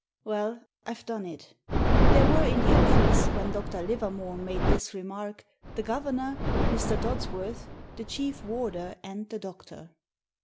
"Well, I've done it!" There were in the office when Dr. Livermore made this remark — the governor, Mr. Dodsworth, the chief warder, and the doctor.